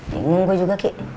dingin gue juga ki